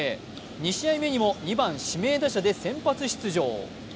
２試合目にも２番・指名打者で先発出場。